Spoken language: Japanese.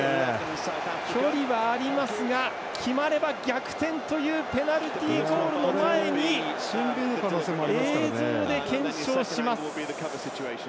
距離はありますが決まれば逆転というペナルティゴールの前に映像で検証します。